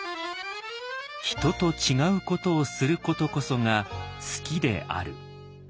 「人と違うことをすることこそが数寄である」。